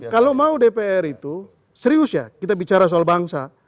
kalau mau dpr itu serius ya kita bicara soal bangsa